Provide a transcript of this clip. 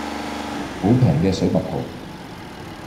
好平嘅水蜜桃